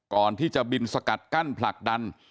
ก่อนที่จะบินสกัดกั้นผลักดัน